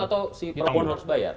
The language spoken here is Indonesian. atau si perempuan harus bayar